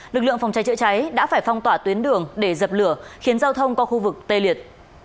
lực lượng phòng cháy chữa cháy đã phải phong tỏa tuyến đường để dập lửa khiến giao thông qua khu vực tê liệt